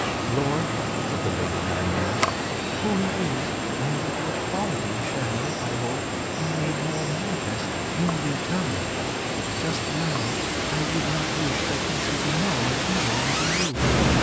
"Lord," said the Lady Nymue, "who he is, and of what quality, shall, I hope, be made manifest in due time; just now I would not wish that he should be known even unto you.